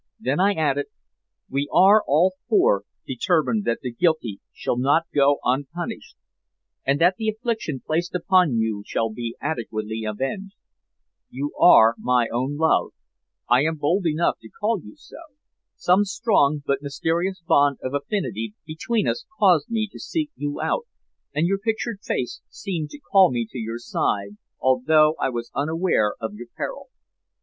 Then I added: "We are all four determined that the guilty shall not go unpunished, and that the affliction placed upon you shall be adequately avenged. You are my own love I am bold enough to call you so. Some strong but mysterious bond of affinity between us caused me to seek you out, and your pictured face seemed to call me to your side although I was unaware of your peril.